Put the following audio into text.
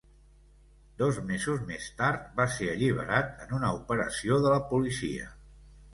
Dos mesos més tard, va ser alliberat en una operació de la policia.